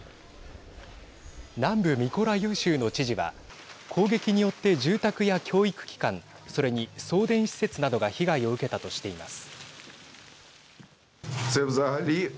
南部ミコライウ州の知事は攻撃によって住宅や教育機関それに、送電施設などが被害を受けたとしています。